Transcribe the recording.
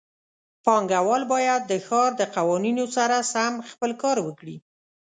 پانګهوال باید د ښار د قوانینو سره سم خپل کار وکړي.